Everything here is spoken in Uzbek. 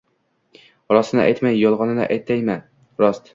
Rostini aytmay, yolg‘onni aytamanmi, rost